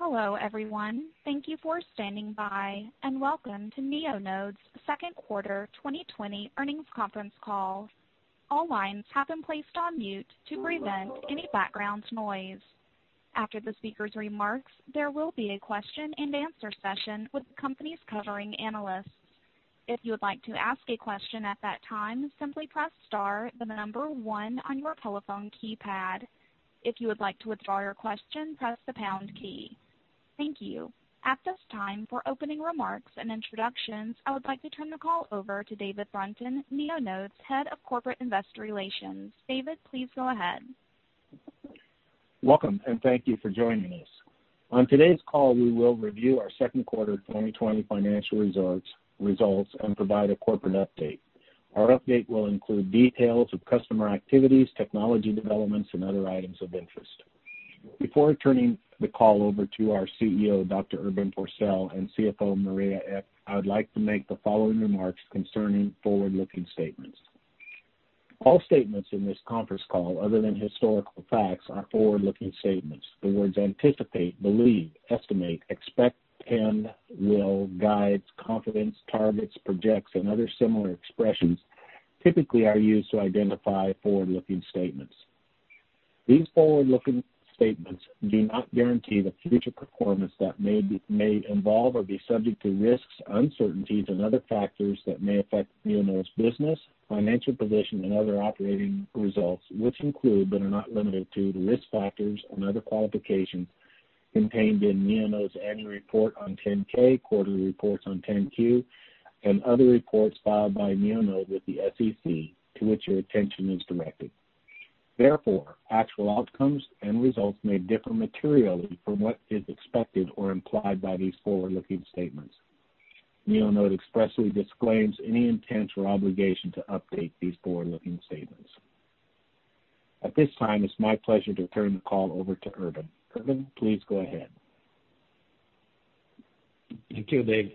Hello, everyone. Thank you for standing by, and welcome to Neonode's Second Quarter 2020 Earnings Conference Call. All lines have been placed on mute to prevent any background noise. After the speaker's remarks, there will be a question and answer session with the company's covering analysts. If you would like to ask a question at that time, simply press star, the number one on your telephone keypad. If you would like to withdraw your question, press the pound key. Thank you. At this time, for opening remarks and introductions, I would like to turn the call over to David Brunton, Neonode's Head of Corporate Investor Relations. David, please go ahead. Welcome, and thank you for joining us. On today's call, we will review our second quarter 2020 financial results and provide a corporate update. Our update will include details of customer activities, technology developments, and other items of interest. Before turning the call over to our CEO, Dr. Urban Forssell, and CFO, Maria Ek, I would like to make the following remarks concerning forward-looking statements. All statements in this conference call, other than historical facts, are forward-looking statements. The words anticipate, believe, estimate, expect, can, will, guides, confidence, targets, projects, and other similar expressions typically are used to identify forward-looking statements. These forward-looking statements do not guarantee the future performance that may involve or be subject to risks, uncertainties, and other factors that may affect Neonode's business, financial position, and other operating results, which include, but are not limited to, the risk factors and other qualifications contained in Neonode's annual report on 10-K, quarterly reports on 10-Q, and other reports filed by Neonode with the SEC, to which your attention is directed. Therefore, actual outcomes and results may differ materially from what is expected or implied by these forward-looking statements. Neonode expressly disclaims any intent or obligation to update these forward-looking statements. At this time, it's my pleasure to turn the call over to Urban. Urban, please go ahead. Thank you, Dave.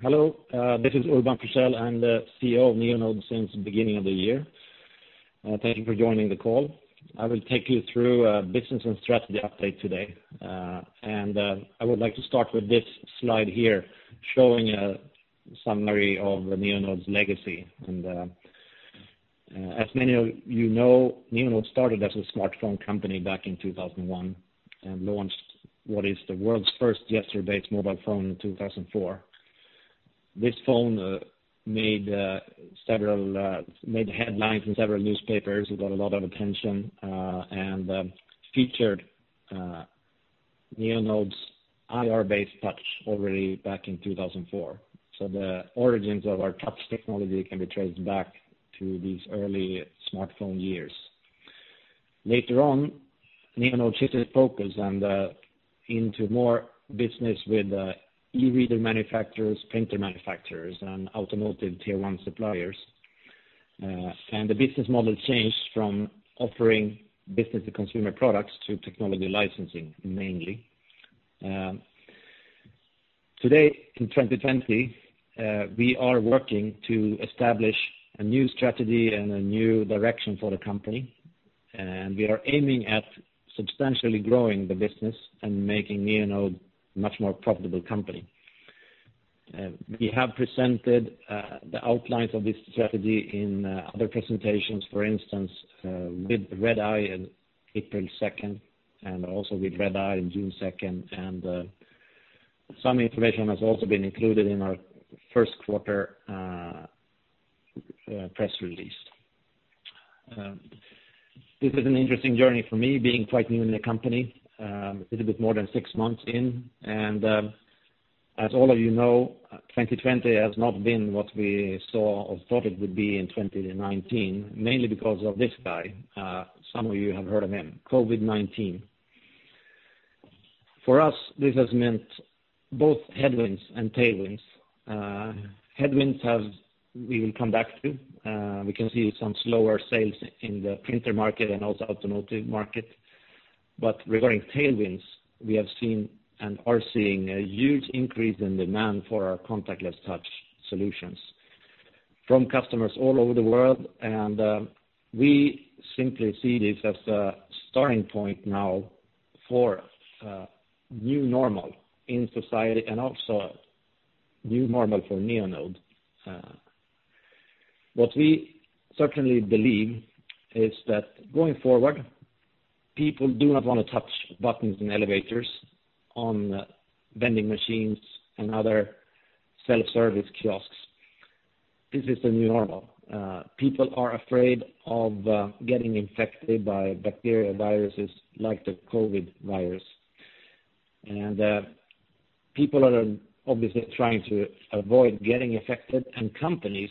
Hello, this is Urban Forssell. I'm the CEO of Neonode since the beginning of the year. Thank you for joining the call. I would like to start with this slide here, showing a summary of Neonode's legacy. As many of you know, Neonode started as a smartphone company back in 2001 and launched what is the world's first gesture-based mobile phone in 2004. This phone made headlines in several newspapers, it got a lot of attention, and featured Neonode's IR-based touch already back in 2004. The origins of our touch technology can be traced back to these early smartphone years. Later on, Neonode shifted focus into more business with e-reader manufacturers, printer manufacturers, and automotive tier 1 suppliers. The business model changed from offering business-to-consumer products to technology licensing, mainly. Today in 2020, we are working to establish a new strategy and a new direction for the company, and we are aiming at substantially growing the business and making Neonode a much more profitable company. We have presented the outlines of this strategy in other presentations, for instance, with Redeye in April 2nd and also with Redeye in June 2nd, and some information has also been included in our first quarter press release. This is an interesting journey for me, being quite new in the company. A little bit more than six months in, and as all of you know, 2020 has not been what we saw or thought it would be in 2019, mainly because of this guy. Some of you have heard of him, COVID-19. For us, this has meant both headwinds and tailwinds. Headwinds, we will come back to. We can see some slower sales in the printer market and also automotive market. Regarding tailwinds, we have seen and are seeing a huge increase in demand for our contactless touch solutions from customers all over the world, and we simply see this as a starting point now for a new normal in society and also a new normal for Neonode. What we certainly believe is that going forward, people do not want to touch buttons in elevators, on vending machines, and other self-service kiosks. This is the new normal. People are afraid of getting infected by bacterial viruses like the COVID-19 virus. People are obviously trying to avoid getting infected, and companies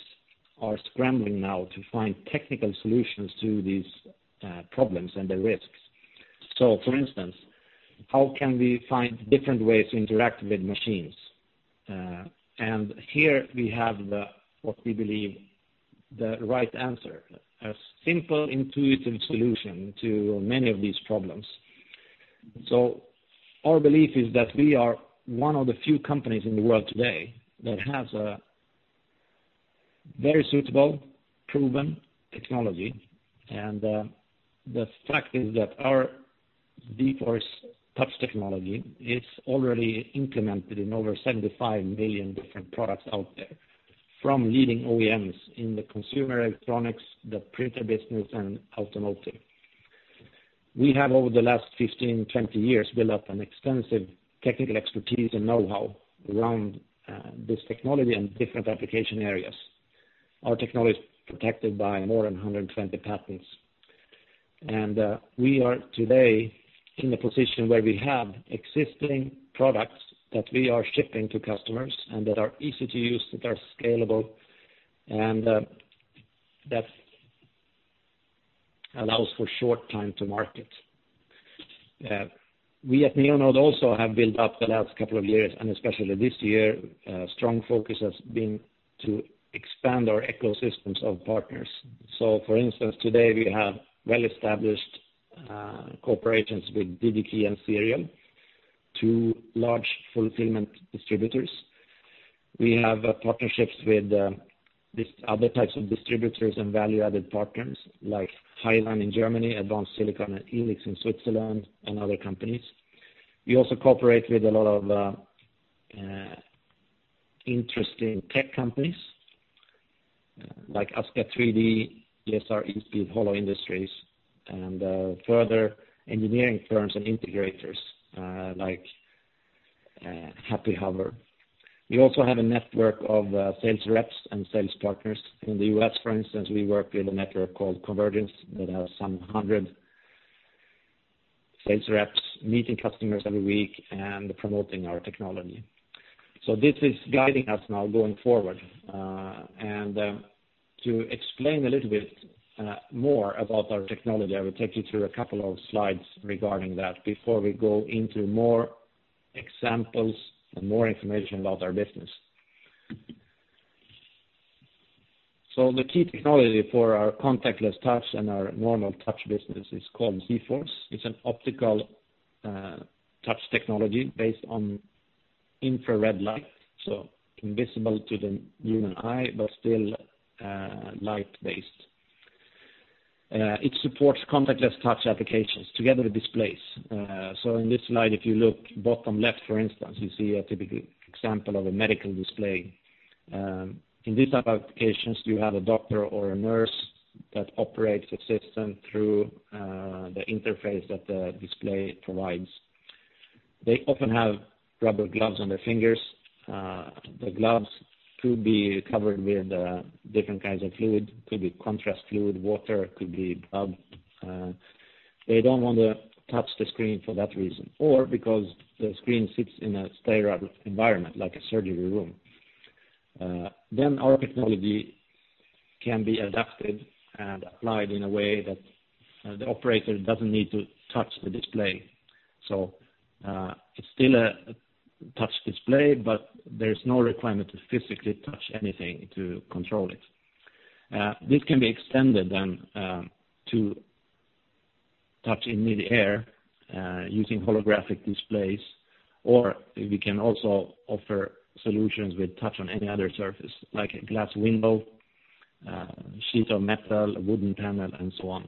are scrambling now to find technical solutions to these problems and the risks. For instance, how can we find different ways to interact with machines? Here we have what we believe the right answer, a simple, intuitive solution to many of these problems. Our belief is that we are one of the few companies in the world today that has a very suitable, proven technology. The fact is that our zForce touch technology is already implemented in over 75 million different products out there from leading OEMs in the consumer electronics, the printer business, and automotive. We have, over the last 15, 20 years, built up an extensive technical expertise and know-how around this technology and different application areas. Our technology is protected by more than 120 patents. We are today in the position where we have existing products that we are shipping to customers, and that are easy to use, that are scalable, and that allows for short time to market. We at Neonode also have built up the last couple of years, and especially this year, strong focus has been to expand our ecosystems of partners. For instance, today we have well-established cooperations with Digi-Key and Serial Microelectronics, two large fulfillment distributors. We have partnerships with these other types of distributors and value-added partners like HY-LINE in Germany, Advanced Silicon and ELIX in Switzerland, and other companies. We also cooperate with a lot of interesting tech companies like ASKA3D, DSR, Easpeed, Holo Industries, and further engineering firms and integrators like Happy Hover. We also have a network of sales reps and sales partners. In the U.S., for instance, we work with a network called Convergence that has some 100 sales reps meeting customers every week and promoting our technology. This is guiding us now going forward. To explain a little bit more about our technology, I will take you through a couple of slides regarding that before we go into more examples and more information about our business. The key technology for our contactless touch and our normal touch business is called zForce. It's an optical touch technology based on infrared light, so invisible to the human eye, but still light-based. It supports contactless touch applications together with displays. In this slide, if you look bottom left, for instance, you see a typical example of a medical display. In these type of applications, you have a doctor or a nurse that operates a system through the interface that the display provides. They often have rubber gloves on their fingers. The gloves could be covered with different kinds of fluid, could be contrast fluid, water, could be blood. They don't want to touch the screen for that reason or because the screen sits in a sterile environment like a surgery room. Our technology can be adapted and applied in a way that the operator doesn't need to touch the display. It's still a touch display, but there's no requirement to physically touch anything to control it. This can be extended then to touch in midair using holographic displays, we can also offer solutions with touch on any other surface like a glass window, sheet of metal, a wooden panel, and so on.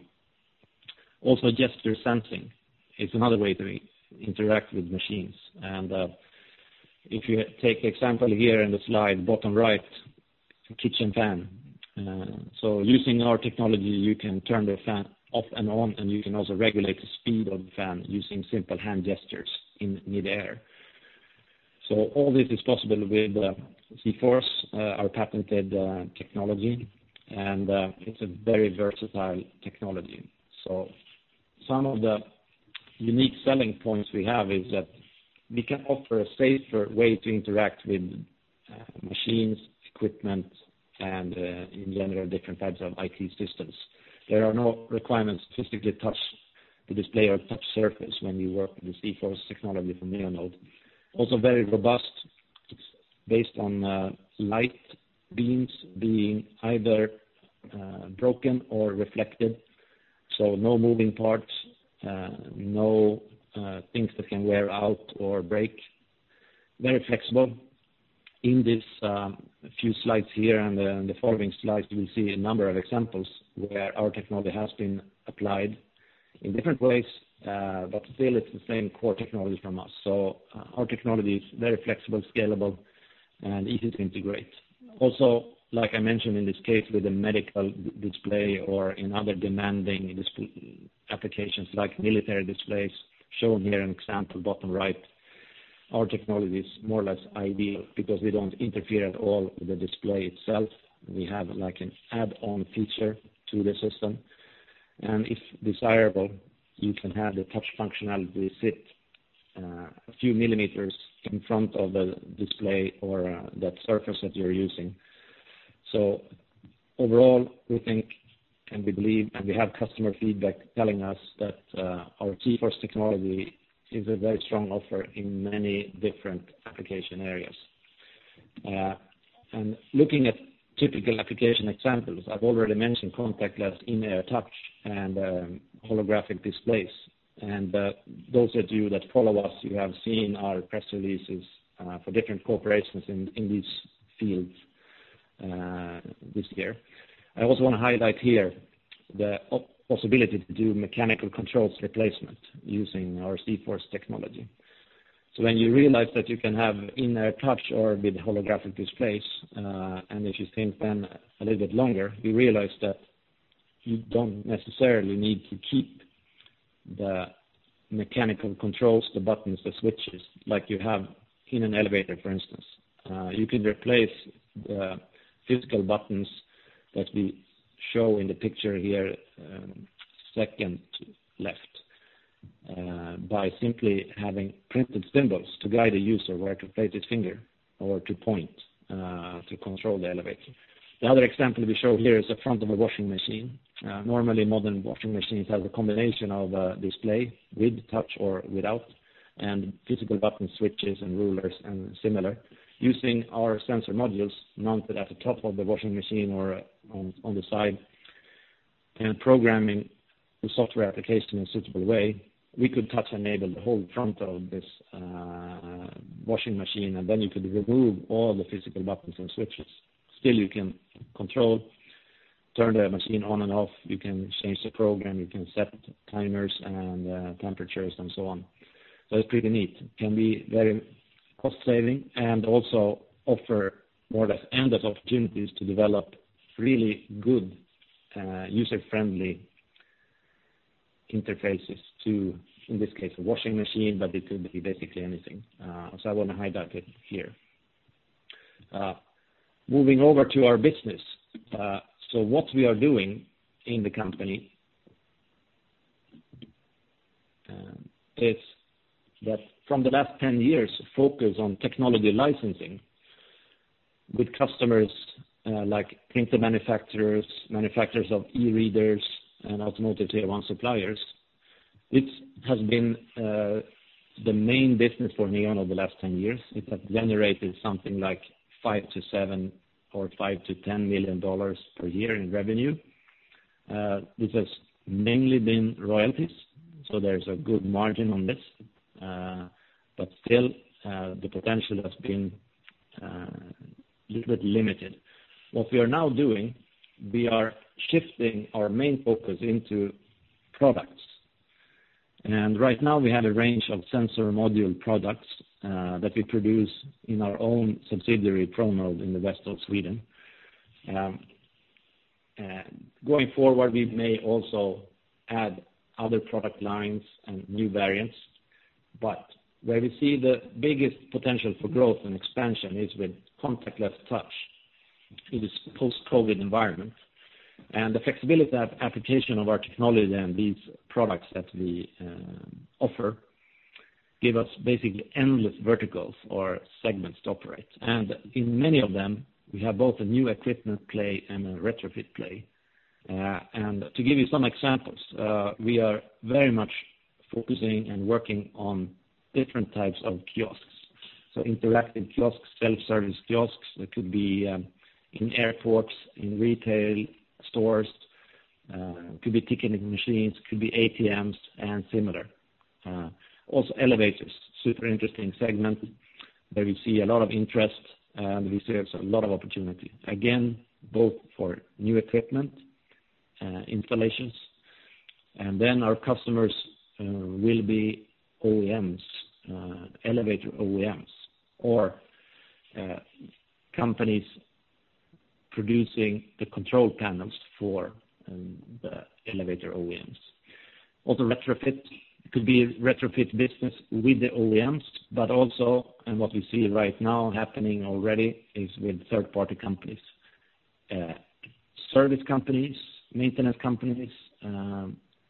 Gesture sensing is another way to interact with machines. If you take example here in the slide bottom right, kitchen fan. Using our technology, you can turn the fan off and on, and you can also regulate the speed of the fan using simple hand gestures in midair. All this is possible with zForce, our patented technology, and it's a very versatile technology. Some of the unique selling points we have is that we can offer a safer way to interact with machines, equipment, and in general, different types of IT systems. There are no requirements to physically touch the display or touch surface when you work with zForce technology from Neonode. Also very robust. It's based on light beams being either broken or reflected, so no moving parts, no things that can wear out or break. Very flexible. In these few slides here and the following slides, you will see a number of examples where our technology has been applied in different ways, but still it's the same core technology from us. Our technology is very flexible, scalable, and easy to integrate. Like I mentioned in this case with the medical display or in other demanding applications like military displays, shown here an example bottom right. Our technology is more or less ideal because we don't interfere at all with the display itself. We have like an add-on feature to the system. If desirable, you can have the touch functionality sit a few millimeters in front of the display or that surface that you're using. Overall, we think, and we believe, and we have customer feedback telling us that our zForce technology is a very strong offer in many different application areas. Looking at typical application examples, I've already mentioned contactless in-air touch and holographic displays. Those of you that follow us, you have seen our press releases for different corporations in these fields this year. I also want to highlight here the possibility to do mechanical controls replacement using our zForce technology. When you realize that you can have in a touch or with holographic displays, and if you think then a little bit longer, you realize that you don't necessarily need to keep the mechanical controls, the buttons, the switches, like you have in an elevator, for instance. You could replace the physical buttons that we show in the picture here, second left, by simply having printed symbols to guide a user where to place his finger or to point to control the elevator. The other example we show here is the front of a washing machine. Normally, modern washing machines have a combination of a display with touch or without, and physical button switches and rulers and similar. Using our sensor modules mounted at the top of the washing machine or on the side, and programming the software application in a suitable way, we could touch-enable the whole front of this washing machine, and then you could remove all the physical buttons and switches. Still you can control, turn the machine on and off, you can change the program, you can set timers and temperatures and so on. It's pretty neat. It can be very cost-saving and also offer more or less endless opportunities to develop really good user-friendly interfaces to, in this case, a washing machine, but it could be basically anything. I want to highlight it here. Moving over to our business. What we are doing in the company is that from the last 10 years, focus on technology licensing with customers like printer manufacturers of e-readers, and automotive tier one suppliers. It has been the main business for Neonode the last 10 years. It has generated something like $5 million-$7 million or $5 million-$10 million per year in revenue. This has mainly been royalties, there's a good margin on this. Still, the potential has been a little bit limited. What we are now doing, we are shifting our main focus into products. Right now we have a range of sensor module products that we produce in our own subsidiary, Pronode, in the west of Sweden. Going forward, we may also add other product lines and new variants, where we see the biggest potential for growth and expansion is with contactless touch in this post-COVID environment. The flexibility of application of our technology and these products that we offer give us basically endless verticals or segments to operate. In many of them, we have both a new equipment play and a retrofit play. To give you some examples, we are very much focusing and working on different types of kiosks. Interactive kiosks, self-service kiosks, that could be in airports, in retail stores, could be ticketing machines, could be ATMs, and similar. Elevators, super interesting segment, where we see a lot of interest, and we see there's a lot of opportunity, again, both for new equipment, installations, and then our customers will be OEMs, elevator OEMs, or companies producing the control panels for the elevator OEMs. Retrofit, it could be a retrofit business with the OEMs, but also what we see right now happening already, is with third-party companies. Service companies, maintenance companies,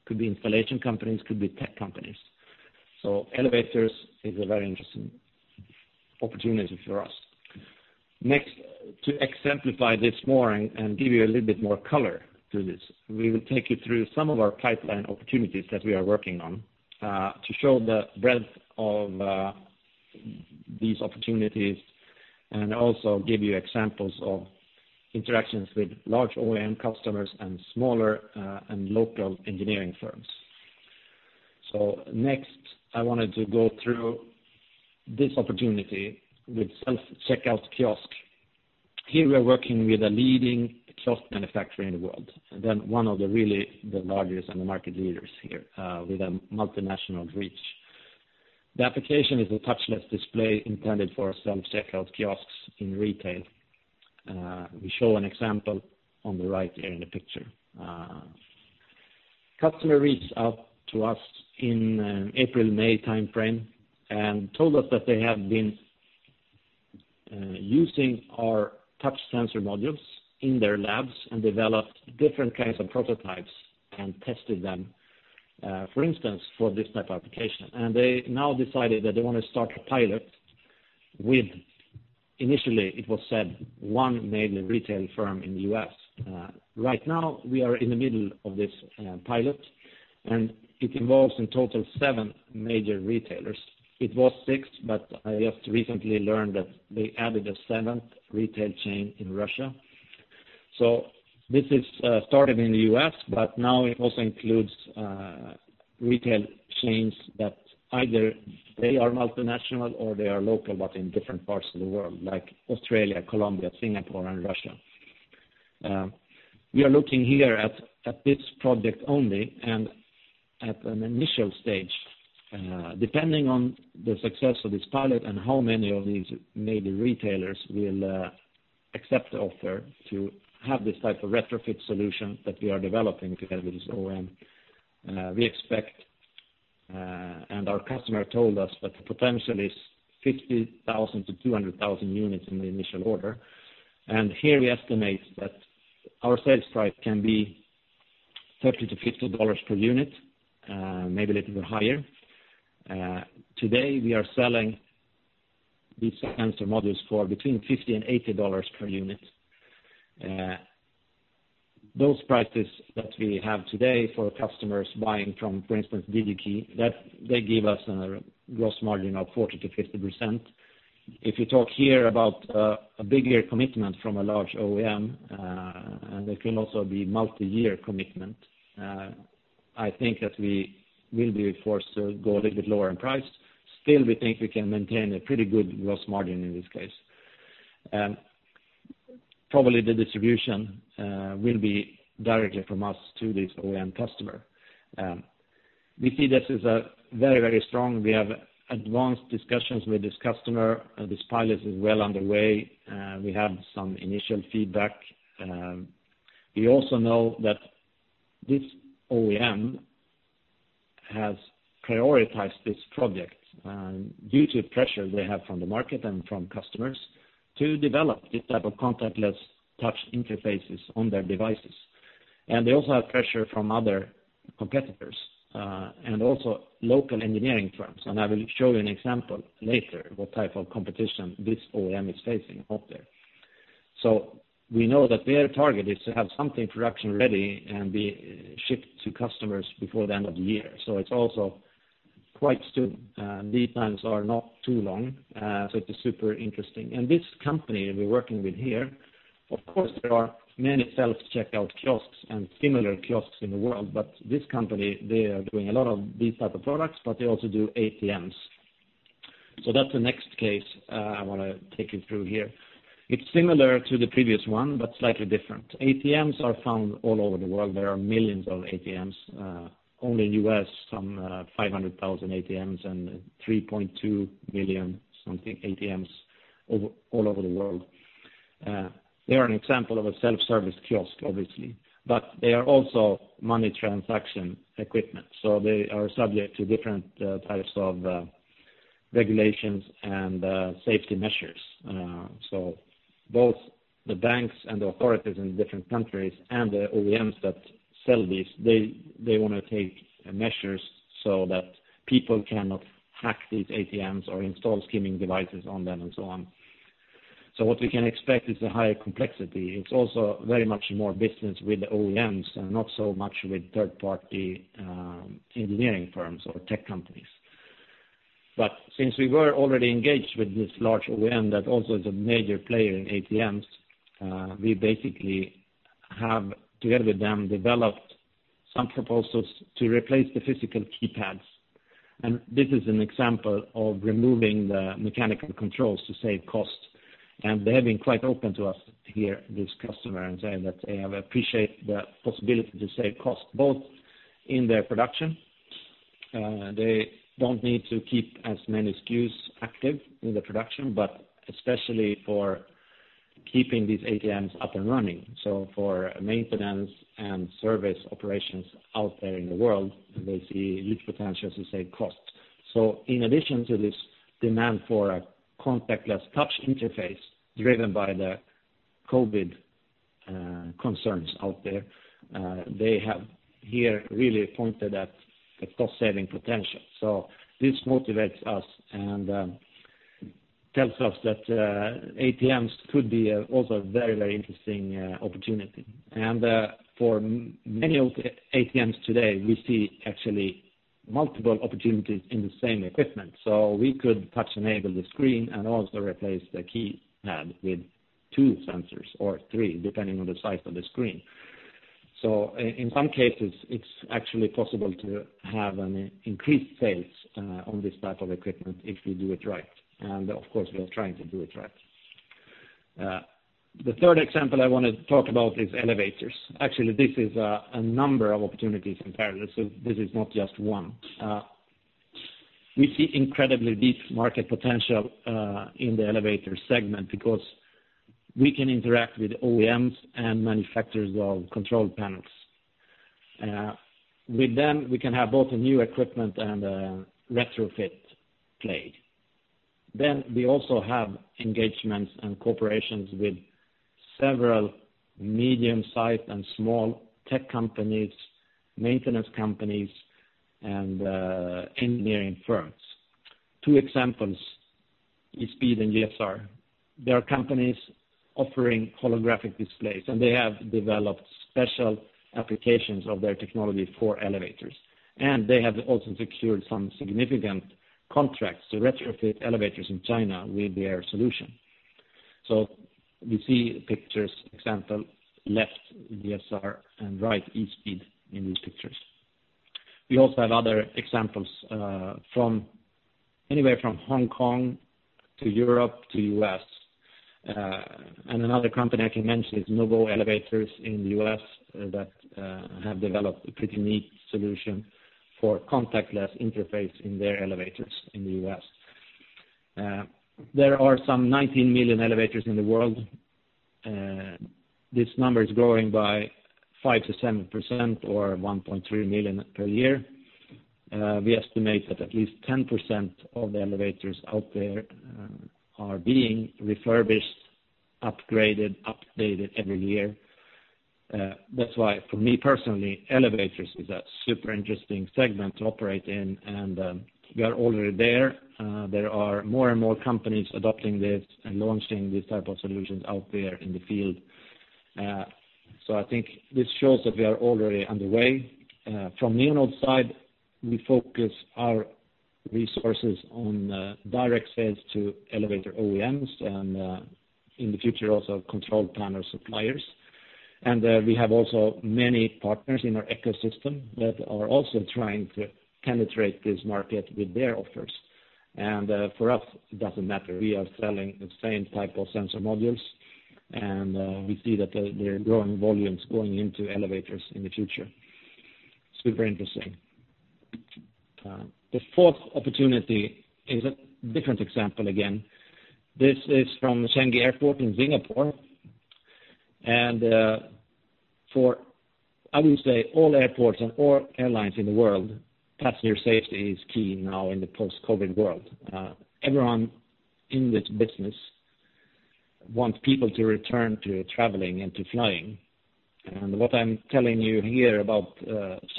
could be installation companies, could be tech companies. Elevators is a very interesting opportunity for us. To exemplify this more and give you a little bit more color to this, we will take you through some of our pipeline opportunities that we are working on to show the breadth of these opportunities and also give you examples of interactions with large OEM customers and smaller and local engineering firms. I wanted to go through this opportunity with self-checkout kiosk. Here we are working with a leading kiosk manufacturer in the world, one of the really the largest and the market leaders here with a multinational reach. The application is a touchless display intended for self-checkout kiosks in retail. We show an example on the right here in the picture. Customer reached out to us in April, May timeframe and told us that they have been using our touch sensor modules in their labs and developed different kinds of prototypes and tested them, for instance, for this type of application. They now decided that they want to start a pilot with, initially it was said, one major retail firm in the U.S. Right now, we are in the middle of this pilot, and it involves in total seven major retailers. It was six, but I just recently learned that they added a 7th retail chain in Russia. This is started in the U.S., but now it also includes retail chains that either they are multinational or they are local, but in different parts of the world, like Australia, Colombia, Singapore, and Russia. We are looking here at this project only and at an initial stage, depending on the success of this pilot and how many of these maybe retailers will accept the offer to have this type of retrofit solution that we are developing together with this OEM. We expect, and our customer told us that the potential is 50,000 to 200,000 units in the initial order. Here we estimate that our sales price can be $30-$50 per unit, maybe a little bit higher. Today, we are selling these sensor modules for between $50 and $80 per unit. Those prices that we have today for customers buying from, for instance, Digi-Key, they give us a gross margin of 40%-50%. If you talk here about a bigger commitment from a large OEM, and it can also be multi-year commitment, I think that we will be forced to go a little bit lower in price. Still, we think we can maintain a pretty good gross margin in this case. Probably the distribution will be directly from us to this OEM customer. We see this as very strong. We have advanced discussions with this customer. This pilot is well underway. We have some initial feedback. We also know that this OEM has prioritized this project due to pressure they have from the market and from customers to develop this type of contactless touch interfaces on their devices. They also have pressure from other competitors, and also local engineering firms. I will show you an example later, what type of competition this OEM is facing out there. We know that their target is to have something production-ready and be shipped to customers before the end of the year. It's also quite soon. Lead times are not too long, so it is super interesting. This company we're working with here, of course, there are many self-checkout kiosks and similar kiosks in the world, but this company, they are doing a lot of these type of products, but they also do ATMs. That's the next case I want to take you through here. It's similar to the previous one, but slightly different. ATMs are found all over the world. There are millions of ATMs, only U.S., some 500,000 ATMs and 3.2 million something ATMs all over the world. They are an example of a self-service kiosk, obviously, but they are also money transaction equipment. They are subject to different types of regulations and safety measures. Both the banks and the authorities in different countries and the OEMs that sell these, they want to take measures so that people cannot hack these ATMs or install skimming devices on them and so on. What we can expect is a higher complexity. It's also very much more business with the OEMs and not so much with third-party engineering firms or tech companies. Since we were already engaged with this large OEM that also is a major player in ATMs, we basically have, together with them, developed some proposals to replace the physical keypads. This is an example of removing the mechanical controls to save cost. They have been quite open to us here, this customer, and saying that they have appreciated the possibility to save cost, both in their production. They don't need to keep as many SKUs active in the production, but especially for keeping these ATMs up and running. For maintenance and service operations out there in the world, they see huge potential to save costs. In addition to this demand for a contactless touch interface driven by the COVID concerns out there, they have here really pointed at the cost-saving potential. This motivates us and tells us that ATMs could be also a very interesting opportunity. For many of the ATMs today, we see actually multiple opportunities in the same equipment. We could touch enable the screen and also replace the keypad with two sensors or three, depending on the size of the screen. In some cases, it's actually possible to have an increased sales on this type of equipment if we do it right, and of course, we are trying to do it right. The third example I want to talk about is elevators. Actually, this is a number of opportunities in parallel. This is not just one. We see incredibly deep market potential in the elevator segment because we can interact with OEMs and manufacturers of control panels. With them, we can have both a new equipment and a retrofit play. We also have engagements and cooperations with several medium-sized and small tech companies, maintenance companies, and engineering firms. Two examples, e-speed and DSR. They are companies offering holographic displays, and they have developed special applications of their technology for elevators, and they have also secured some significant contracts to retrofit elevators in China with their solution. We see pictures, example, left DSR and right, eSpeed in these pictures. We also have other examples, anywhere from Hong Kong to Europe to U.S. Another company I can mention is Nouveau Elevator in the U.S. that have developed a pretty neat solution for contactless interface in their elevators in the U.S. There are some 19 million elevators in the world. This number is growing by 5%-7% or 1.3 million per year. We estimate that at least 10% of the elevators out there are being refurbished, upgraded, updated every year. That's why for me personally, elevators is a super interesting segment to operate in and, we are already there. There are more and more companies adopting this and launching these type of solutions out there in the field. I think this shows that we are already underway. From Neonode's side, we focus our resources on direct sales to elevator OEMs and, in the future, also control panel suppliers. We have also many partners in our ecosystem that are also trying to penetrate this market with their offers. For us, it doesn't matter. We are selling the same type of sensor modules and we see that there are growing volumes going into elevators in the future. Super interesting. The fourth opportunity is a different example again. This is from Changi Airport in Singapore. For, I would say all airports and all airlines in the world, passenger safety is key now in the post-COVID world. Everyone in this business wants people to return to traveling and to flying. What I'm telling you here about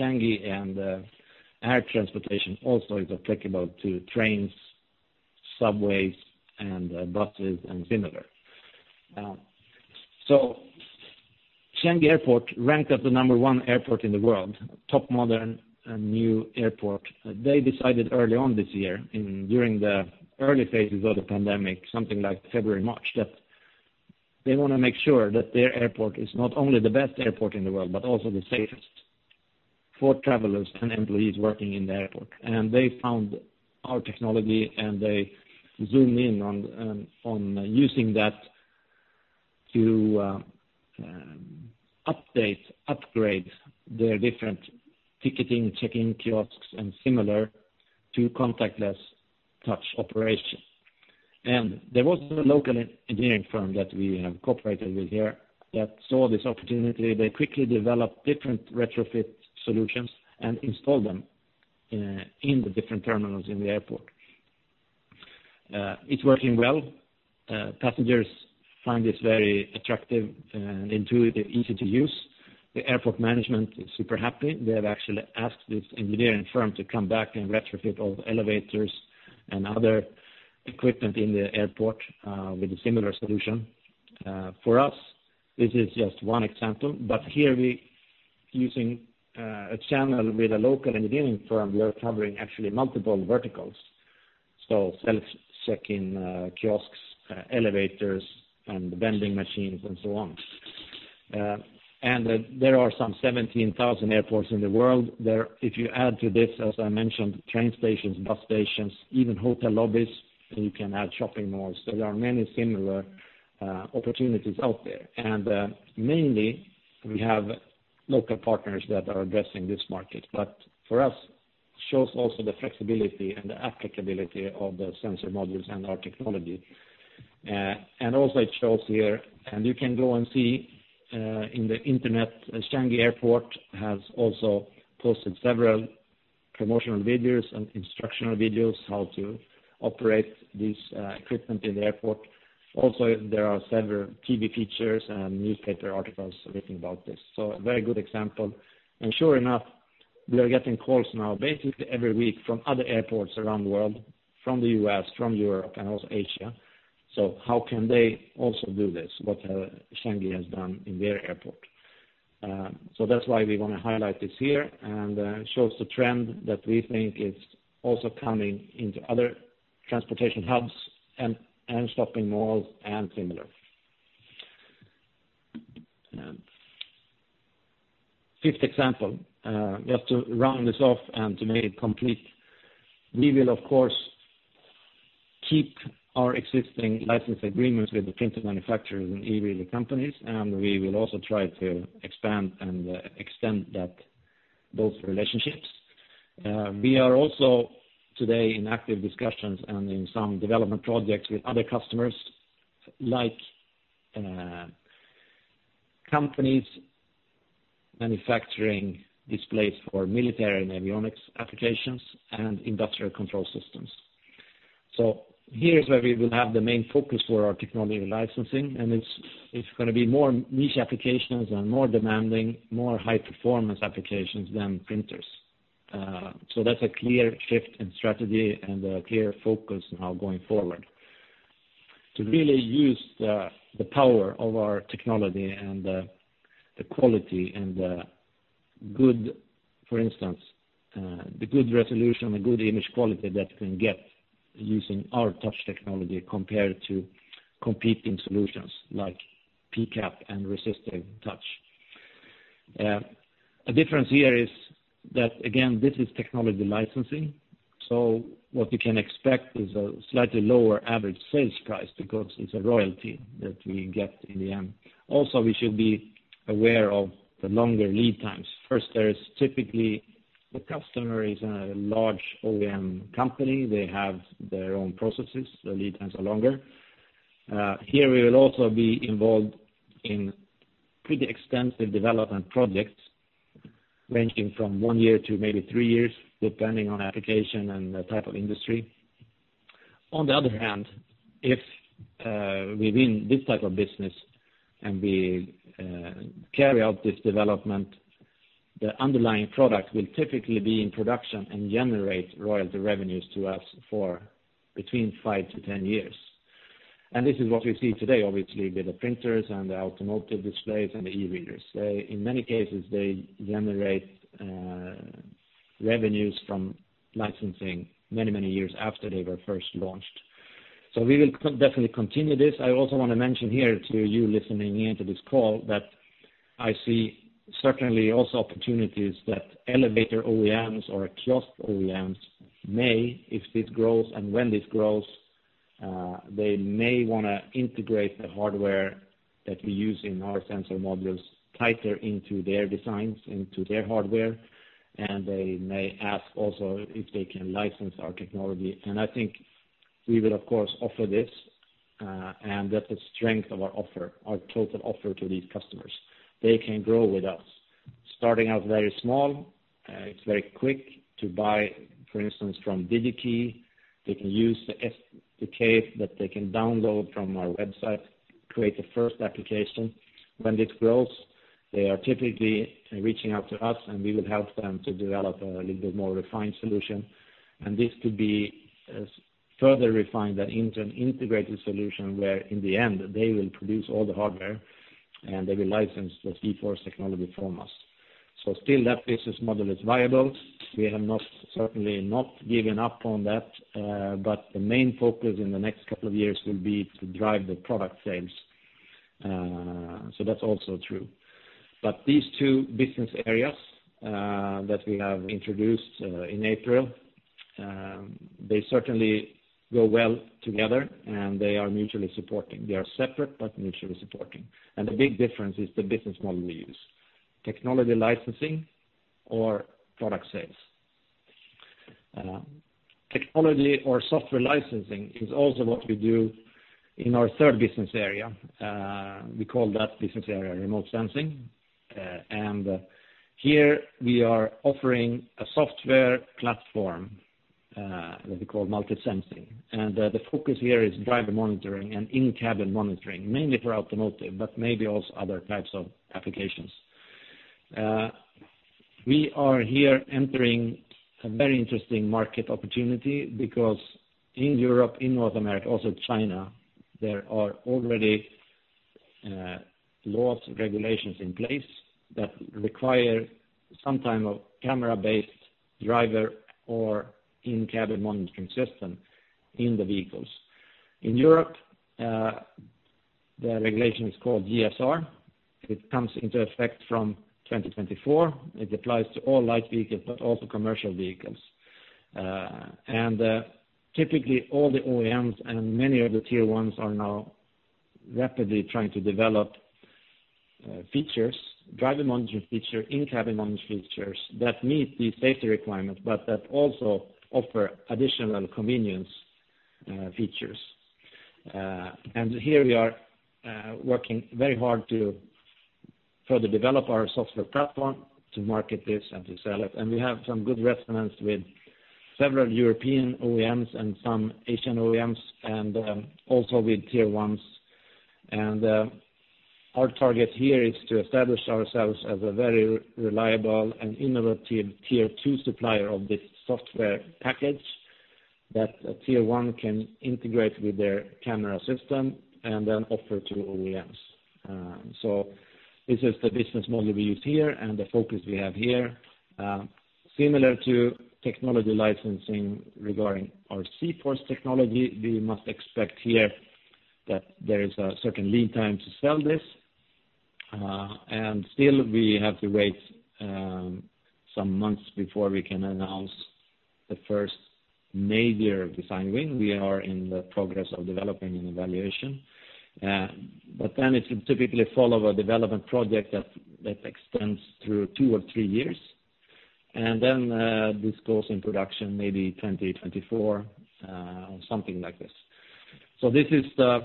Changi and air transportation also is applicable to trains, subways, and buses and similar. Changi Airport ranked as the number one airport in the world. Top modern and new airport. They decided early on this year, during the early phases of the pandemic, something like February, March, that they want to make sure that their airport is not only the best airport in the world, but also the safest for travelers and employees working in the airport. They found our technology, and they zoomed in on using that to update, upgrade their different ticketing, check-in kiosks, and similar to contactless touch operation. There was a local engineering firm that we have cooperated with here that saw this opportunity. They quickly developed different retrofit solutions and installed them in the different terminals in the airport. It's working well. Passengers find this very attractive and intuitive, easy to use. The airport management is super happy. They have actually asked this engineering firm to come back and retrofit all the elevators and other equipment in the airport with a similar solution. For us, this is just one example, but here we using a channel with a local engineering firm. We are covering actually multiple verticals. Self-check-in kiosks, elevators and vending machines and so on. There are some 17,000 airports in the world. If you add to this, as I mentioned, train stations, bus stations, even hotel lobbies, and you can add shopping malls. There are many similar opportunities out there. Mainly we have local partners that are addressing this market, but for us, it shows also the flexibility and the applicability of the sensor modules and our technology. Also it shows here, and you can go and see in the internet, Changi Airport has also posted several promotional videos and instructional videos, how to operate this equipment in the airport. Also, there are several TV features and newspaper articles written about this. A very good example. Sure enough, we are getting calls now basically every week from other airports around the world, from the U.S., from Europe, and also Asia. How can they also do this, what Changi has done in their airport? That's why we want to highlight this here, and it shows the trend that we think is also coming into other transportation hubs and shopping malls and similar. Fifth example, just to round this off and to make it complete. We will of course keep our existing license agreements with the printer manufacturers and e-reader companies, and we will also try to expand and extend both relationships. We are also today in active discussions and in some development projects with other customers like companies manufacturing displays for military and avionics applications and industrial control systems. Here's where we will have the main focus for our technology licensing, and it's going to be more niche applications and more demanding, more high-performance applications than printers. That's a clear shift in strategy and a clear focus now going forward. To really use the power of our technology and the quality and, for instance, the good resolution, the good image quality that you can get using our touch technology compared to competing solutions like PCAP and resistive touch. A difference here is that, again, this is technology licensing, so what you can expect is a slightly lower average sales price because it's a royalty that we get in the end. Also, we should be aware of the longer lead times. First, there is typically the customer is a large OEM company. They have their own processes. The lead times are longer. Here we will also be involved in pretty extensive development projects ranging from one year to maybe three years, depending on application and the type of industry. On the other hand, if we win this type of business and we carry out this development, the underlying product will typically be in production and generate royalty revenues to us for between 5-10 years. This is what we see today, obviously, with the printers and the automotive displays and the e-readers. In many cases, they generate revenues from licensing many years after they were first launched. We will definitely continue this. I also want to mention here to you listening in to this call that I see certainly also opportunities that elevator OEMs or kiosk OEMs may, if this grows and when this grows, they may want to integrate the hardware that we use in our sensor modules tighter into their designs, into their hardware. They may ask also if they can license our technology. I think we will, of course, offer this, and that's the strength of our total offer to these customers. They can grow with us. Starting out very small. It's very quick to buy, for instance, from Digi-Key. They can use the SDK that they can download from our website, create a first application. When this grows, they are typically reaching out to us, and we will help them to develop a little bit more refined solution. This could be further refined into an integrated solution where in the end they will produce all the hardware, and they will license the zForce technology from us. Still that business model is viable. We have certainly not given up on that. The main focus in the next couple of years will be to drive the product sales. That's also true. These two business areas that we have introduced in April, they certainly go well together, and they are mutually supporting. They are separate but mutually supporting. The big difference is the business model we use, technology licensing or product sales. Technology or software licensing is also what we do in our third business area. We call that business area remote sensing. Here we are offering a software platform that we call MultiSensing. The focus here is driver monitoring and in-cabin monitoring, mainly for automotive, but maybe also other types of applications. We are here entering a very interesting market opportunity because in Europe, in North America, also China, there are already laws, regulations in place that require some type of camera-based driver or in-cabin monitoring system in the vehicles. In Europe, the regulation is called GSR. It comes into effect from 2024. It applies to all light vehicles, but also commercial vehicles. Typically all the OEMs and many of the tier 1s are now rapidly trying to develop driver monitoring feature, in-cabin monitoring features that meet these safety requirements, but that also offer additional convenience features. Here we are working very hard to further develop our software platform to market this and to sell it. We have some good resonance with several European OEMs and some Asian OEMs and also with tier 1s. Our target here is to establish ourselves as a very reliable and innovative tier 2 supplier of this software package that a tier 1 can integrate with their camera system and then offer to OEMs. This is the business model we use here and the focus we have here. Similar to technology licensing regarding our zForce technology, we must expect here that there is a certain lead time to sell this. Still we have to wait some months before we can announce the first major design win. We are in the progress of developing and evaluation. It will typically follow a development project that extends through two or three years. This goes in production maybe 2024, or something like this. This is the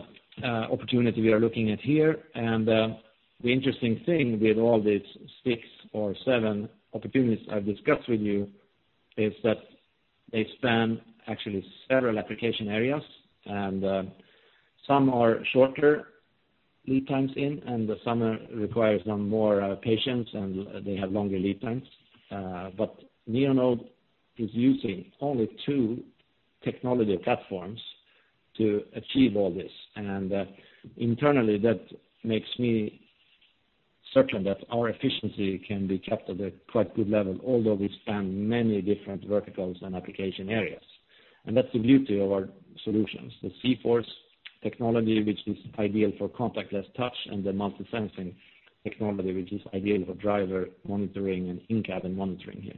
opportunity we are looking at here. The interesting thing with all these six or seven opportunities I've discussed with you is that they span actually several application areas, some are shorter lead times in, and some are requires some more patience, and they have longer lead times. Neonode is using only two technology platforms to achieve all this. Internally, that makes me certain that our efficiency can be kept at a quite good level, although we span many different verticals and application areas. That's the beauty of our solutions. The zForce technology, which is ideal for contactless touch, and the MultiSensing technology, which is ideal for driver monitoring and in-cabin monitoring here.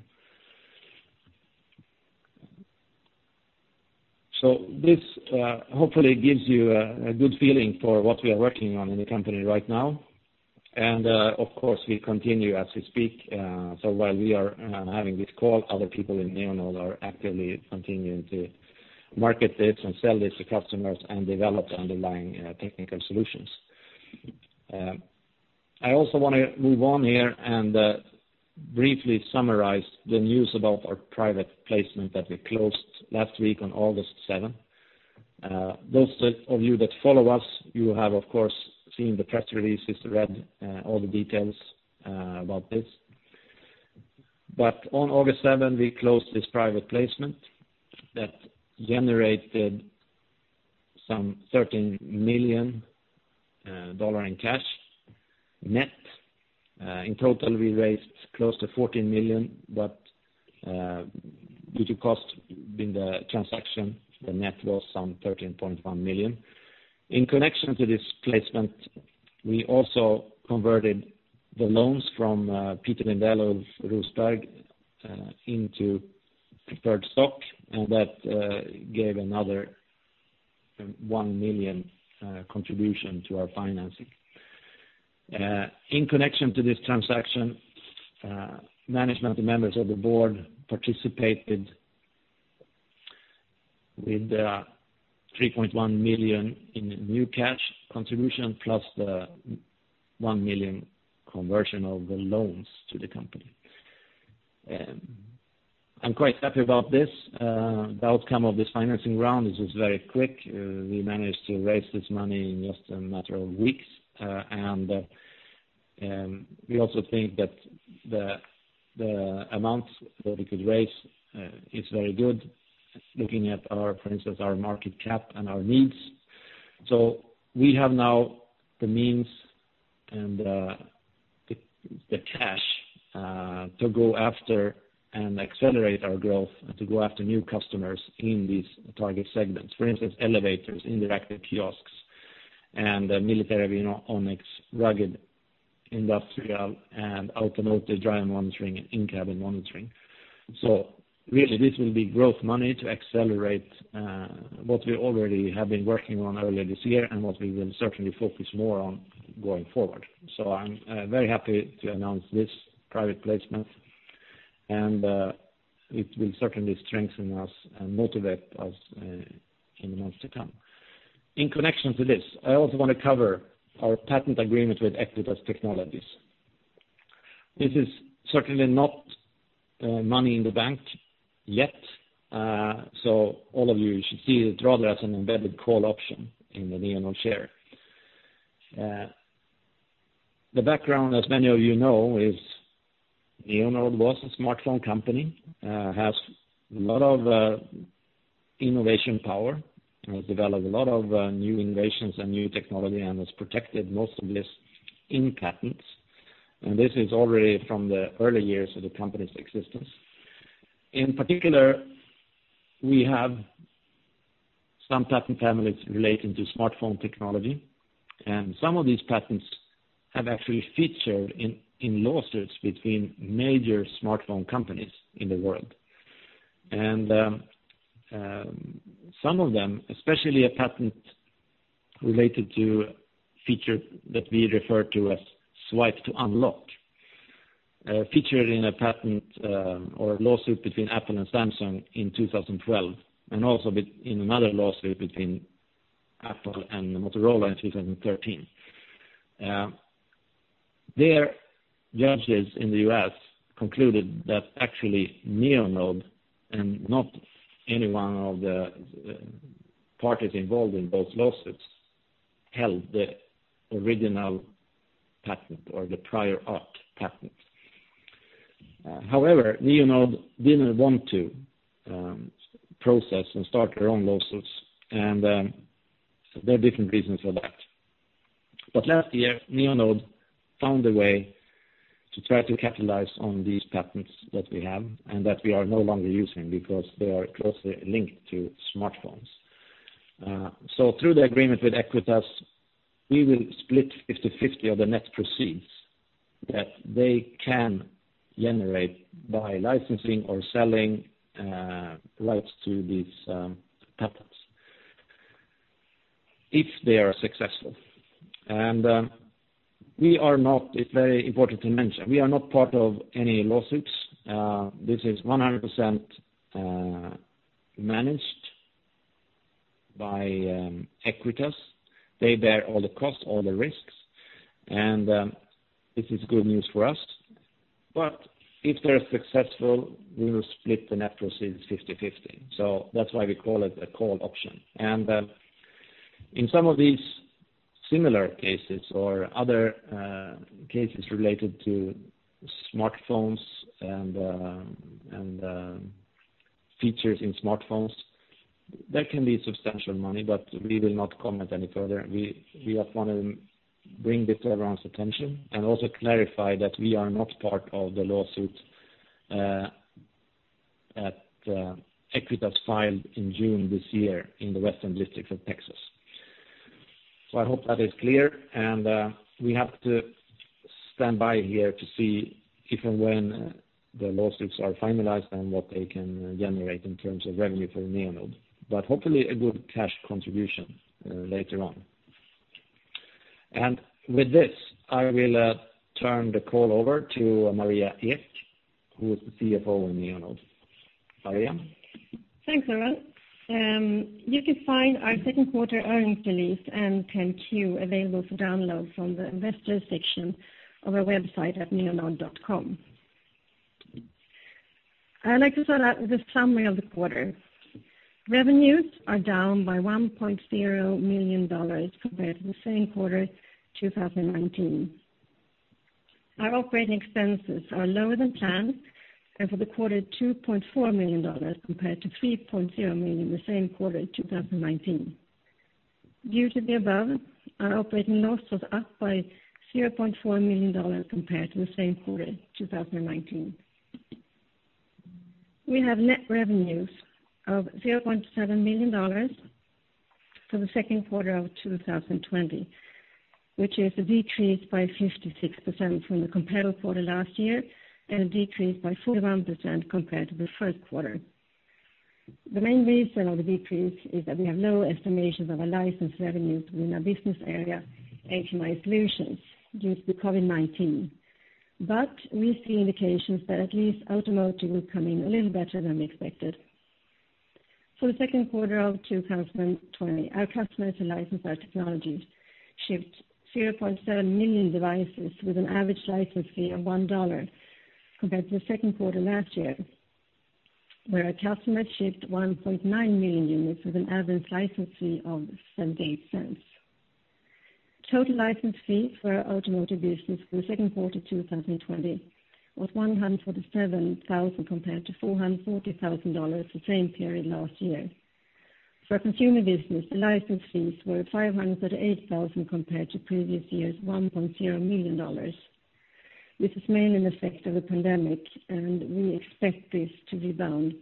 This hopefully gives you a good feeling for what we are working on in the company right now. Of course, we continue as we speak. While we are having this call, other people in Neonode are actively continuing to market this and sell this to customers, and develop the underlying technical solutions. I also want to move on here and briefly summarize the news about our private placement that we closed last week on August 7th. Those of you that follow us, you have, of course, seen the press releases to read all the details about this. On August 7th, we closed this private placement that generated some $13 million in cash net. In total, we raised close to $14 million, but due to cost in the transaction, the net was some $13.1 million. In connection to this placement, we also converted the loans from Peter Lindell, UlfRosberg into preferred stock, that gave another $1 million contribution to our financing. In connection to this transaction, management and members of the board participated with $3.1 million in new cash contribution plus the $1 million conversion of the loans to the company. I'm quite happy about this. The outcome of this financing round, this was very quick. We managed to raise this money in just a matter of weeks, we also think that the amount that we could raise is very good looking at, for instance, our market cap and our needs. We have now the means and the cash to go after and accelerate our growth to go after new customers in these target segments. For instance, elevators, interactive kiosks, and military avionics, rugged, industrial, and automotive driver monitoring, and in-cabin monitoring. Really, this will be growth money to accelerate what we already have been working on earlier this year and what we will certainly focus more on going forward. I'm very happy to announce this private placement, and it will certainly strengthen us and motivate us in the months to come. In connection to this, I also want to cover our patent agreement with Aequitas Technologies. This is certainly not money in the bank yet. All of you should see it rather as an embedded call option in the Neonode share. The background, as many of you know, is Neonode was a smartphone company, has a lot of innovation power, and has developed a lot of new innovations and new technology, and has protected most of this in patents. This is already from the early years of the company's existence. In particular, we have some patent families relating to smartphone technology, and some of these patents have actually featured in lawsuits between major smartphone companies in the world. Some of them, especially a patent related to a feature that we refer to as swipe to unlock, featured in a patent or lawsuit between Apple and Samsung in 2012, and also in another lawsuit between Apple and Motorola in 2013. There, judges in the U.S. concluded that actually Neonode, and not any one of the parties involved in both lawsuits, held the original patent or the prior art patent. However, Neonode didn't want to process and start their own lawsuits, and there are different reasons for that. Last year, Neonode found a way to try to capitalize on these patents that we have and that we are no longer using because they are closely linked to smartphones. Through the agreement with Aequitas, we will split 50/50 of the net proceeds that they can generate by licensing or selling rights to these patents, if they are successful. It's very important to mention, we are not part of any lawsuits. This is 100% managed by Aequitas. They bear all the cost, all the risks, and this is good news for us. If they're successful, we will split the net proceeds 50/50. That's why we call it a call option. In some of these similar cases or other cases related to smartphones and features in smartphones, that can be substantial money, but we will not comment any further. We just want to bring this to everyone's attention and also clarify that we are not part of the lawsuit that Aequitas filed in June this year in the Western District of Texas. I hope that is clear, and we have to stand by here to see if and when the lawsuits are finalized and what they can generate in terms of revenue for Neonode, but hopefully a good cash contribution later on. With this, I will turn the call over to Maria Ek, who is the CFO in Neonode. Maria? Thanks, Urban. You can find our second quarter earnings release and 10-Q available for download from the investors section of our website at neonode.com. I'd like to start out with a summary of the quarter. Revenues are down by $1.0 million compared to the same quarter 2019. Our operating expenses are lower than planned, and for the quarter, $2.4 million compared to $3.0 million the same quarter 2019. Due to the above, our operating loss was up by $0.4 million compared to the same quarter 2019. We have net revenues of $0.7 million for the second quarter of 2020, which is decreased by 56% from the comparable quarter last year and decreased by 41% compared to the first quarter. The main reason of the decrease is that we have low estimations of our license revenue within our business area, HMI solutions, due to the COVID-19. We see indications that at least automotive will come in a little better than we expected. For the second quarter of 2020, our customers who license our technologies shipped 0.7 million devices with an average license fee of $1 compared to the second quarter last year, where our customers shipped 1.9 million units with an average license fee of $0.78. Total license fees for our automotive business for the second quarter 2020 was $147,000 compared to $440,000 the same period last year. For our consumer business, the license fees were $538,000 compared to previous year's $1.0 million. This is mainly an effect of the pandemic, and we expect this to rebound.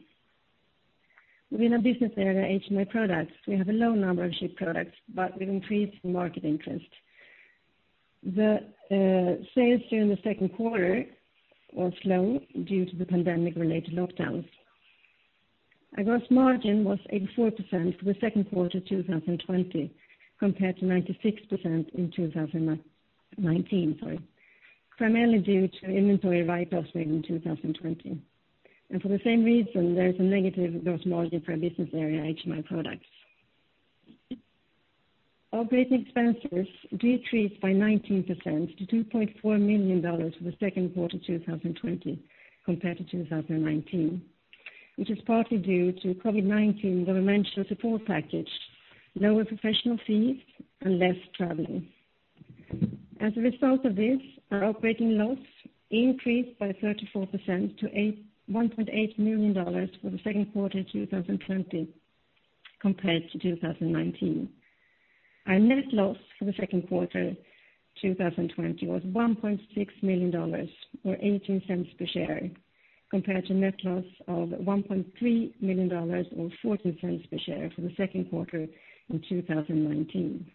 Within our business area, HMI products, we have a low number of shipped products, but we've increased market interest. The sales during the second quarter was low due to the pandemic-related lockdowns. Our gross margin was 84% for the second quarter 2020 compared to 96% in 2019, sorry, primarily due to inventory write-offs made in 2020. For the same reason, there is a negative gross margin for our business area, HMI Products. Operating expenses decreased by 19% to $2.4 million for the second quarter 2020 compared to 2019, which is partly due to COVID-19 governmental support package, lower professional fees, and less traveling. As a result of this, our operating loss increased by 34% to $1.8 million for the second quarter 2020 compared to 2019. Our net loss for the second quarter 2020 was $1.6 million or $0.18 per share, compared to net loss of $1.3 million or $0.14 per share for the second quarter in 2019.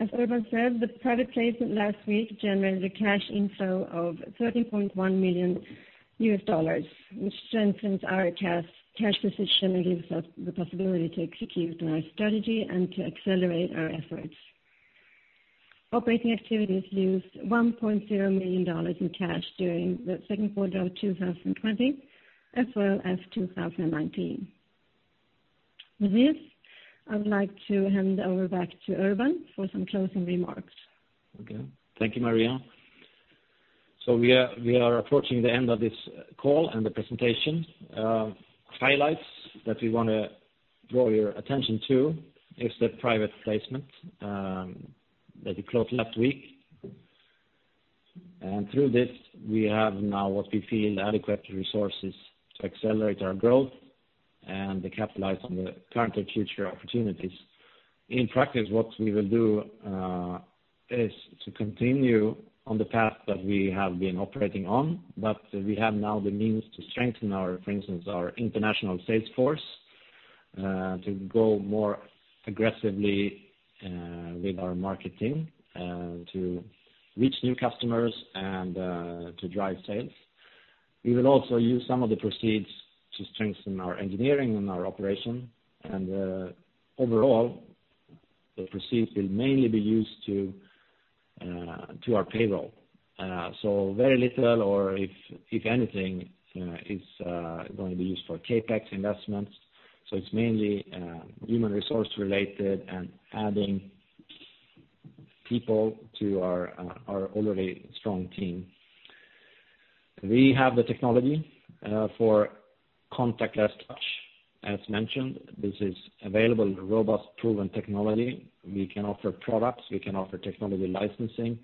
As Urban said, the private placement last week generated a cash inflow of $13.1 million, which strengthens our cash position and gives us the possibility to execute on our strategy and to accelerate our efforts. Operating activities used $1.0 million in cash during the second quarter of 2020, as well as 2019. With this, I would like to hand over back to Urban for some closing remarks. Okay. Thank you, Maria. We are approaching the end of this call and the presentation. Highlights that we want to draw your attention to is the private placement that we closed last week. Through this, we have now what we feel adequate resources to accelerate our growth and to capitalize on the current and future opportunities. In practice, what we will do is to continue on the path that we have been operating on, but we have now the means to strengthen our, for instance, our international sales force, to go more aggressively with our marketing, and to reach new customers and to drive sales. We will also use some of the proceeds to strengthen our engineering and our operation. Overall, the proceeds will mainly be used to our payroll. Very little or if anything is going to be used for CapEx investments. So it's mainly human resource related and adding people to our already strong team. We have the technology for contactless touch. As mentioned, this is available, robust, proven technology. We can offer products. We can offer technology licensing.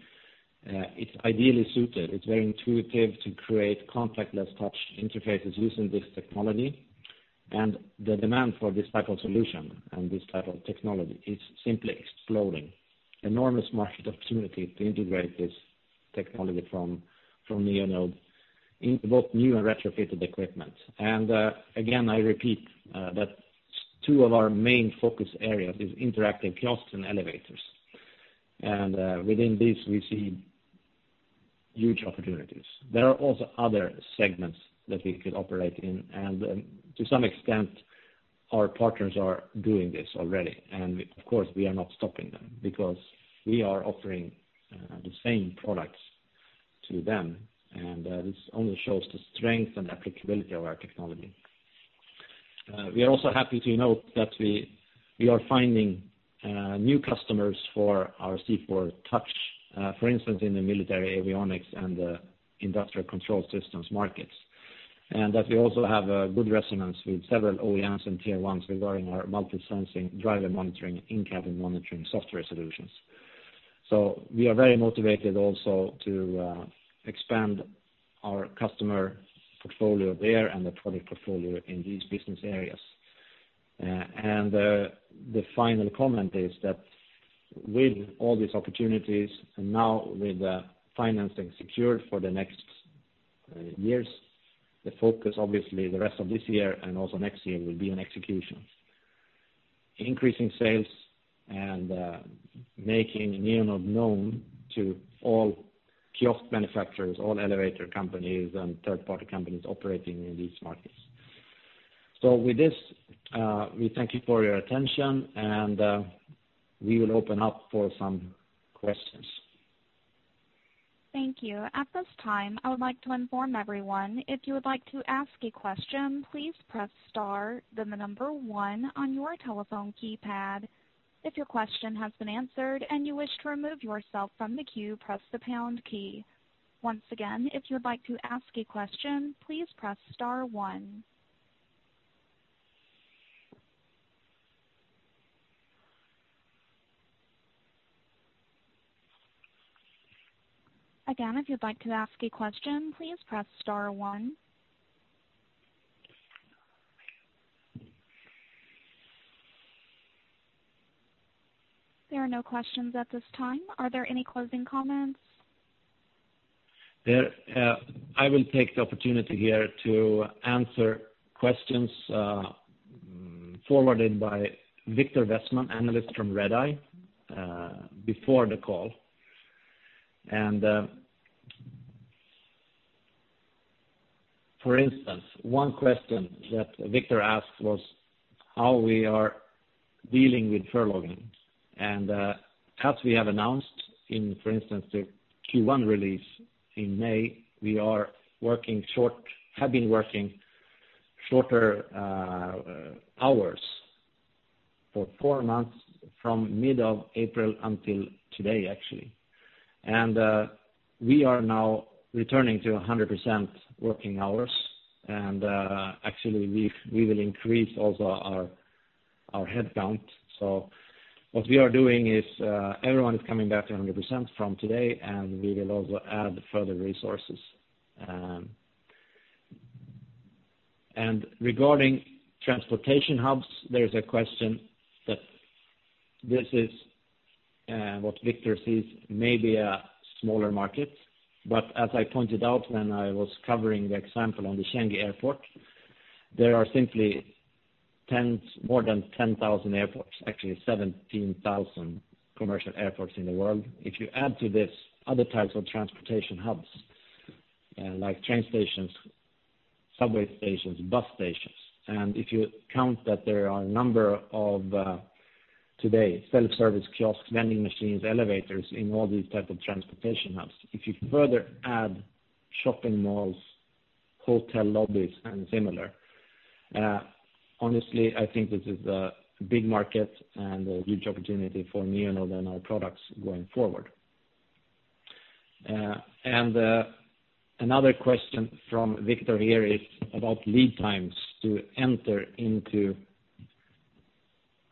It's ideally suited. It's very intuitive to create contactless touch interfaces using this technology. The demand for this type of solution and this type of technology is simply exploding. Enormous market opportunity to integrate this technology from Neonode in both new and retrofitted equipment. Again, I repeat that two of our main focus areas is interactive kiosks and elevators. Within this, we see huge opportunities. There are also other segments that we could operate in, and to some extent, our partners are doing this already. Of course, we are not stopping them because we are offering the same products to them, and this only shows the strength and applicability of our technology. We are also happy to note that we are finding new customers for our zForce touch, for instance, in the military avionics and the industrial control systems markets. That we also have a good resonance with several OEMs and Tier 1s regarding our MultiSensing driver monitoring, in-cabin monitoring software solutions. We are very motivated also to expand our customer portfolio there and the product portfolio in these business areas. The final comment is that with all these opportunities and now with the financing secured for the next years, the focus, obviously, the rest of this year and also next year will be on execution. Increasing sales and making Neonode known to all kiosk manufacturers, all elevator companies, and third-party companies operating in these markets. With this, we thank you for your attention and we will open up for some questions. Thank you. At this time, I would like to inform everyone if you would like to ask a question, please press star then the number one on your telephone keypad. If your question has been answered and you wish to remove yourself from the queue, press the pound key. Once again, if you would like to ask a question, please press star one. Again, if you'd like to ask a question, please press star one. There are no questions at this time. Are there any closing comments? I will take the opportunity here to answer questions forwarded by Viktor Westman, analyst from Redeye before the call. For instance, one question that Viktor asked was how we are dealing with furloughing. As we have announced in, for instance, the Q1 release in May, we have been working shorter hours for four months from mid of April until today, actually. We are now returning to 100% working hours. Actually, we will increase also our headcount. What we are doing is everyone is coming back to 100% from today, and we will also add further resources. Regarding transportation hubs, there is a question that this is what Viktor sees may be a smaller market, but as I pointed out when I was covering the example on the Changi Airport, there are simply more than 10,000 airports, actually 17,000 commercial airports in the world. If you add to this other types of transportation hubs like train stations, subway stations, bus stations, and if you count that there are a number of, today, self-service kiosks, vending machines, elevators in all these type of transportation hubs. If you further add shopping malls, hotel lobbies, and similar, honestly, I think this is a big market and a huge opportunity for Neonode and our products going forward. Another question from Viktor here is about lead times to enter into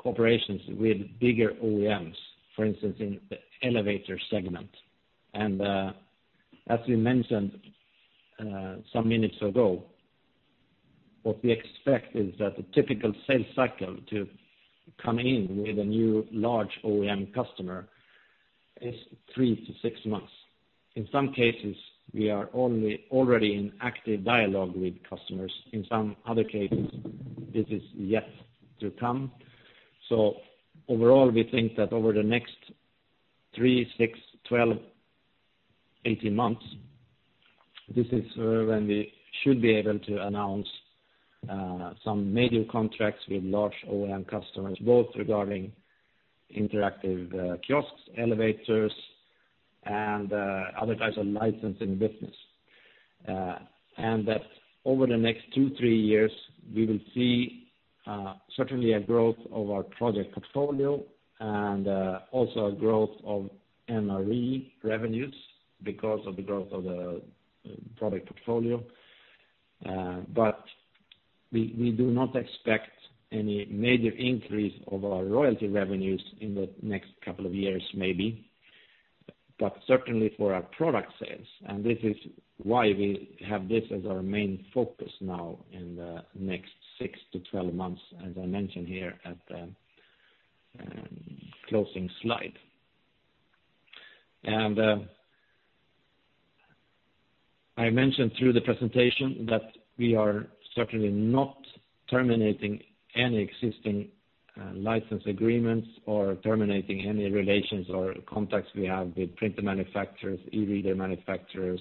corporations with bigger OEMs, for instance, in the elevator segment. As we mentioned some minutes ago, what we expect is that the typical sales cycle to come in with a new large OEM customer is three to six months. In some cases, we are already in active dialogue with customers. In some other cases, this is yet to come. Overall, we think that over the next three, six, 12, 18 months, this is when we should be able to announce some major contracts with large OEM customers, both regarding interactive kiosks, elevators, and other types of licensing business. That over the next two, three years, we will see certainly a growth of our project portfolio and also a growth of NRE revenues because of the growth of the product portfolio. We do not expect any major increase of our royalty revenues in the next couple of years maybe. Certainly for our product sales, and this is why we have this as our main focus now in the next 6-12 months, as I mentioned here at the closing slide. I mentioned through the presentation that we are certainly not terminating any existing license agreements or terminating any relations or contacts we have with printer manufacturers, e-reader manufacturers,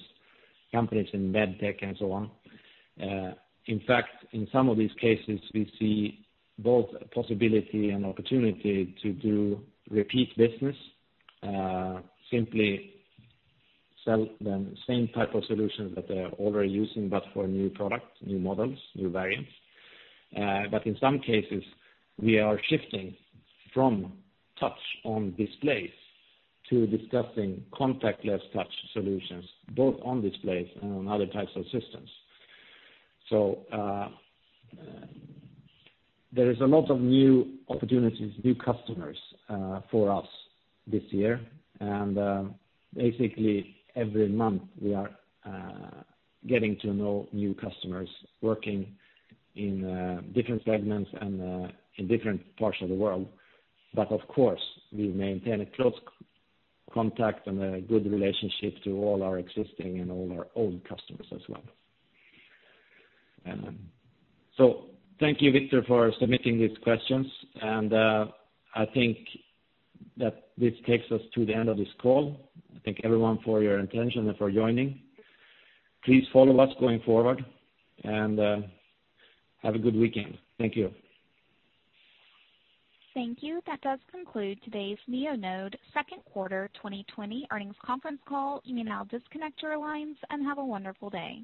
companies in med tech, and so on. In fact, in some of these cases, we see both possibility and opportunity to do repeat business, simply sell them same type of solutions that they're already using, but for new products, new models, new variants. In some cases, we are shifting from touch on displays to discussing contactless touch solutions, both on displays and on other types of systems. There is a lot of new opportunities, new customers for us this year. Basically every month we are getting to know new customers working in different segments and in different parts of the world. Of course, we maintain a close contact and a good relationship to all our existing and all our old customers as well. Thank you, Viktor, for submitting these questions, and I think that this takes us to the end of this call. Thank everyone for your attention and for joining. Please follow us going forward, and have a good weekend. Thank you. Thank you. That does conclude today's Neonode second quarter 2020 earnings conference call. You may now disconnect your lines, and have a wonderful day.